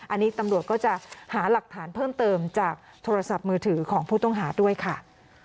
อันนี้ตำรวจก็จะหาหลักฐานเพิ่มเติมจากโทรศัพท์มือถือของผู้ต้องหาด้วยค่ะ